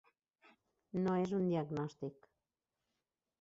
No és un diagnòstic.